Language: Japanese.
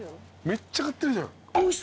めっちゃ買ってるじゃん。